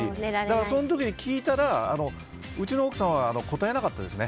そういう時、聞いたらうちの奥さんは答えなかったですね。